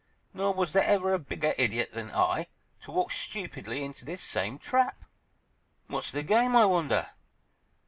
Nor was there ever a bigger idiot than I, to walk stupidly into this same trap! What's the game, I wonder?